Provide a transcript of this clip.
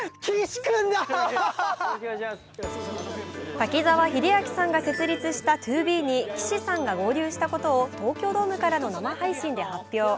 滝沢秀明さんが設立したＴＯＢＥに岸さんが合流したことを東京ドームからの生配信で発表。